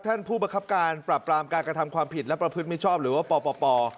ท่านผู้ประคับการปรับปรามการกระทำความผิดและประพฤติมิชชอบหรือว่าปป